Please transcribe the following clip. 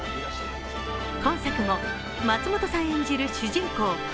今作も松本さん演じる主人公・